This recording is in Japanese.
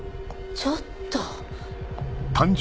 ちょっと。